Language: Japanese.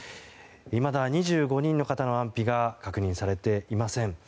いまだ２５人の方の安否が確認されていません。